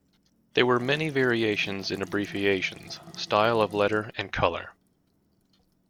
There were may variations in abbreviations, style of letter and colour.